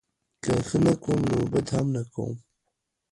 که ښه نه کوم نوبدهم نه کوم